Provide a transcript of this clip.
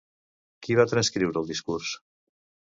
Qui va transcriure el discurs?